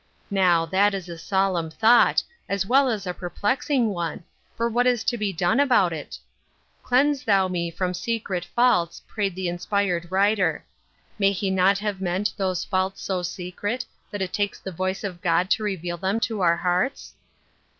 Now, that is a solemn thought, as well as a perplexing one, for what is to be done about it ?" Cleanse thou me from secret faults," prayed the inspired writer. May he not have meant those faults so secret that it takes the voice of God to revea) them to our hearts